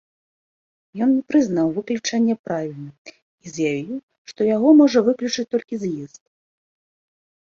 Ён не прызнаў выключэння правільным і заявіў, што яго можа выключыць толькі з'езд.